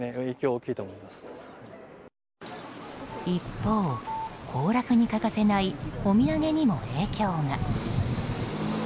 一方、行楽に欠かせないお土産にも影響が。